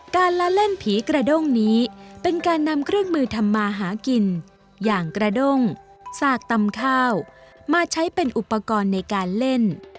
ละเล่นผีกระด้งนี้เป็นการนำเครื่องมือทำมาหากินอย่างกระด้งสากตำข้าวมาใช้เป็นอุปกรณ์ในการเล่น